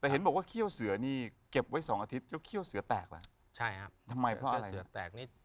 เห็นบอกว่าเฮียวเสือนี่เก็บไว้สองอาทิตย์แล้วเฮียวเสือแตกล่ะ